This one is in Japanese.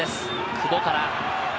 久保から。